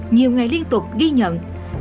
nhiều ngày liên tục ghi nhận